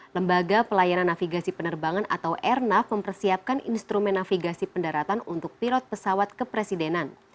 lembaga pelayanan navigasi penerbangan atau airnav mempersiapkan instrumen navigasi pendaratan untuk pilot pesawat kepresidenan